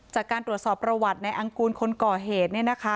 จากการตรวจสอบประวัติในอังกูลคนก่อเหตุเนี่ยนะคะ